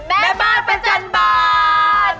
แม่บ้านประจำบาน